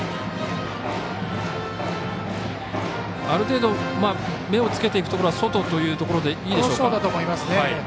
ある程度目をつけていくところは外というところでいいでしょうか。